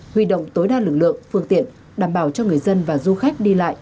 huy động tối đa lực lượng phương tiện đảm bảo cho người dân và du khách đi lại